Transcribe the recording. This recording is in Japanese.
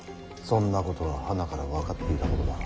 そんなことははなから分かっていたことだ。